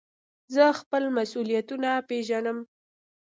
زه خپل مسئولیتونه پېژنم.